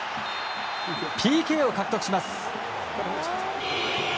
ＰＫを獲得します。